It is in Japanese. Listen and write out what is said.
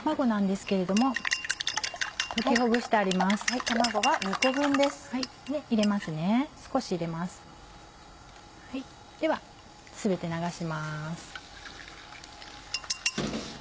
では全て流します。